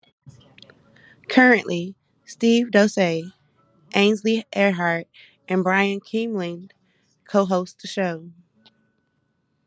Currently, Steve Doocey, Ainsley Earhardt, and Brian Kilmeade cohost the show.